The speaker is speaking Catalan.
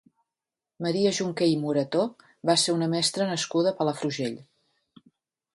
Maria Junqué i Morató va ser una mestra nascuda a Palafrugell.